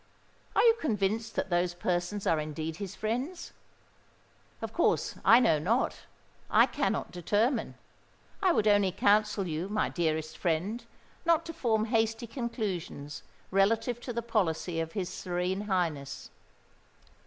Are you convinced that those persons are indeed his friends! Of course I know not—I cannot determine: I would only counsel you, my dearest friend, not to form hasty conclusions relative to the policy of his Serene Highness.